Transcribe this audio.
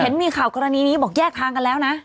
เห็นมีข่าวกรณีนี้บอกแยกทางกันแล้วนะ